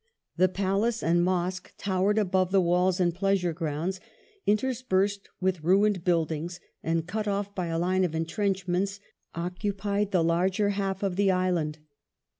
The palace and mosque towered above the walls, and pleasure grounds, interspersed with ruined buildings and cut off by a line of entrenchments, occupied the larger half of the island.